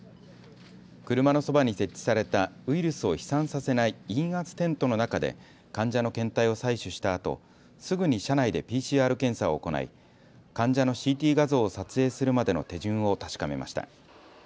車のそばに設置されたウイルスを飛散させない陰圧テントの中で患者の検体を採取したあと、すぐに車内でＰＣＲ検査を行い患者のＣＴ画像を撮影するまでの手順を確かめました。